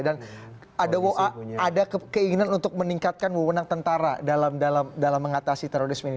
dan ada keinginan untuk meningkatkan wawonan tentara dalam mengatasi terorisme ini